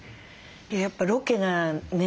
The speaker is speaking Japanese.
やっぱロケがね